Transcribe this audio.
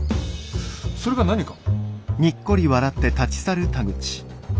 それが何か？